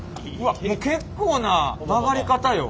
もう結構な曲がり方よ。